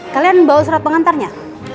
kalian bawa surat pengantarnya